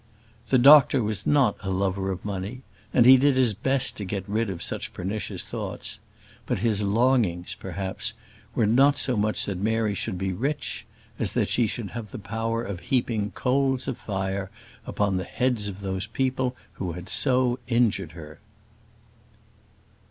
The doctor was not a lover of money and he did his best to get rid of such pernicious thoughts. But his longings, perhaps, were not so much that Mary should be rich, as that she should have the power of heaping coals of fire upon the heads of those people who had so injured her.